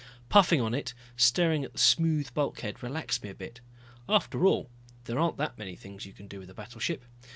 Puffing on it, staring at the smooth bulkhead, relaxed me a bit. After all there aren't that many things you can do with a battleship.